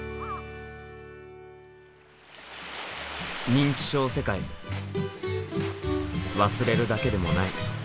認知症世界忘れるだけでもない。